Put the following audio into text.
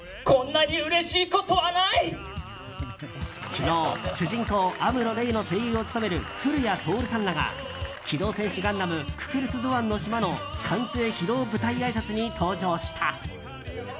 昨日、主人公アムロ・レイの声優を務める古谷徹さんらが「機動戦士ガンダムククルス・ドアンの島」の完成披露舞台あいさつに登場した。